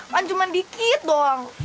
kan cuman dikit doang